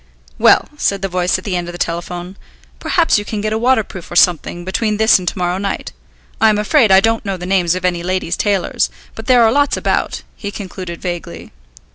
"Well," said the voice at the end of the telephone, "perhaps you can get a waterproof or something, between this and to morrow night. I am afraid I don't know the names of any ladies' tailors, but there are lots about," he concluded vaguely.